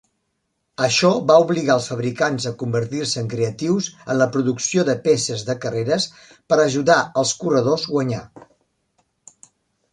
Això va obligar els fabricants a convertir-se en creatius en la producció de peces de carreres per ajudar els corredors guanyar.